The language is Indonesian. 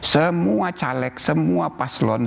semua caleg semua paslon